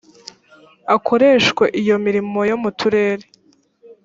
akoreshwe iyo mirimo yomuturere